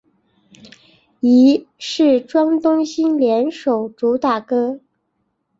亦是庄冬昕联手主打歌。